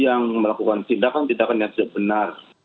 yang melakukan tindakan tindakan yang tidak benar